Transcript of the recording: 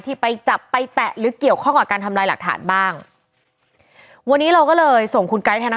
ไปจับไปแตะหรือเกี่ยวข้องกับการทำลายหลักฐานบ้างวันนี้เราก็เลยส่งคุณไกด์ธน